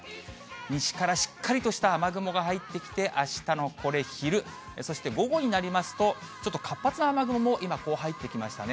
西からしっかりとした雨雲が入ってきて、あしたのこれ、昼、そして午後になりますと、ちょっと活発な雨雲も今、こう入ってきましたね。